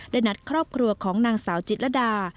ได้นัดครอบครัวของนางสาวจิตรดา